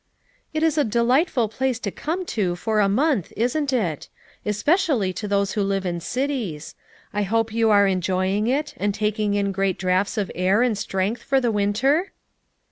"It is a delightful place to come to for a month, isn't it? Especially to those who live in cities. I hope 5^011 are enjoying it and tak ing in great draughts of air and strength, for the winter?"